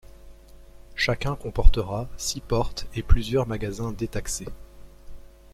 Chacun comportera six portes et plusieurs magasins détaxés.